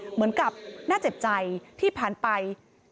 เหมือนกับน่าเจ็บใจที่ผ่านไป